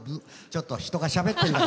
ちょっと人がしゃべってるんだから。